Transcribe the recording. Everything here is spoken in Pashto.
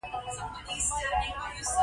ترهګرۍ د بې نظمۍ او فساد سبب ګرځي.